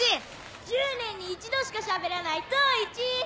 １０年に一度しかしゃべらない十一！